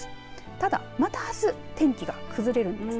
ただ、またあす天気が崩れるんです。